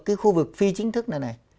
cái khu vực phi chính thức này này